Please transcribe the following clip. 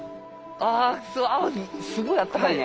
あすごいあったかいね。